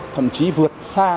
thậm chí vượt xa